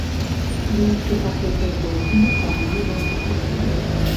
Лісце пакрытае доўгімі прамымі валасінкамі.